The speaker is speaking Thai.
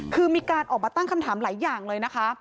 คือมีการออกมาตั้งคำถามหลายอย่างเลยนะคะ